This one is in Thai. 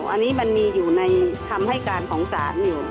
อันนี้มันมีอยู่ในคำให้การของศาลอยู่